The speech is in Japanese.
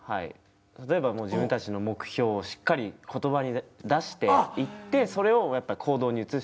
例えば自分たちの目標をしっかり言葉に出して言ってそれを行動に移してっていう。